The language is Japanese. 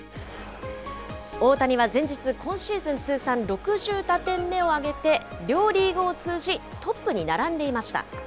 大谷は前日、今シーズン通算６０打点目を挙げて、両リーグを通じトップに並んでいました。